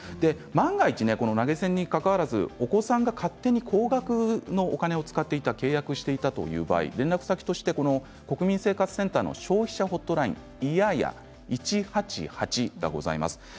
万が一、投げ銭にかかわらずお子さんが勝手に高額のお金を使っていた契約をしていたという場合に連絡先として国民生活センターの消費者ホットライン１８８いややございます。